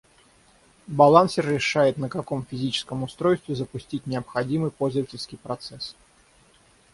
Балансер решает на каком физическом устройстве запустить необходимый пользовательский процесс